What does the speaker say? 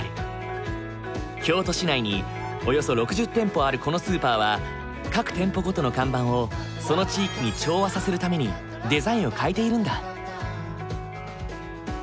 京都市内におよそ６０店舗あるこのスーパーは各店舗ごとの看板をその地域に調和させるためにデザインを変えているんだ。